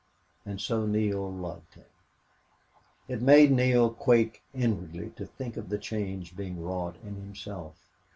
And so Neale loved him. It made Neale quake inwardly to think of the change being wrought in himself.